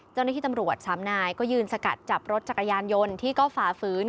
เจ้าหน้าที่ตำรวจสามนายก็ยืนสกัดจับรถจักรยานยนต์ที่ก็ฝ่าฝืน